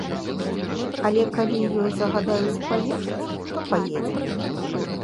Але калі ёй загадаюць паехаць, то паедзе.